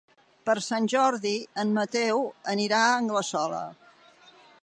Per Sant Jordi en Mateu anirà a Anglesola.